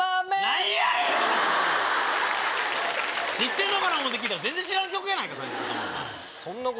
知ってるのかな思うて聴いたら全然知らん曲やないか３曲とも。